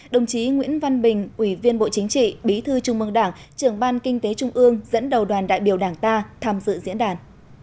đồng chí nguyễn văn bình ủy viên bộ chính trị bí thư trung mương đảng trưởng ban kinh tế trung ương dẫn đầu đoàn đại biểu đảng ta tham dự diễn đàn